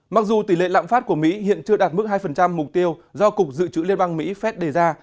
mặc dù tỷ lệ lạm phát của mỹ hiện chưa đạt mức hai mục tiêu do cục dự trữ liên bang mỹ phép đề ra